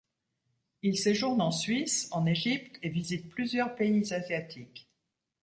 Il séjourne en Suisse, en Égypte et visite pllusieurs pays asiatiques.